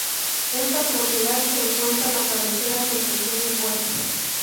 Esta propiedad se encuentra a la cabecera del pequeño puerto.